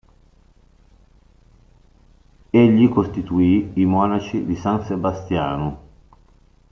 Egli costituì i Monaci di San Sebastiano.